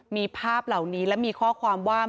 มีภาพเหล่านี้และมีข้อความว่า